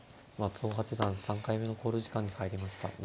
松尾八段３回目の考慮時間に入りました。